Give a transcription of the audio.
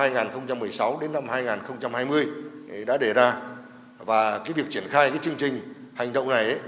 từ năm hai nghìn một mươi sáu đến năm hai nghìn hai mươi đã đề ra và việc triển khai cái chương trình hành động này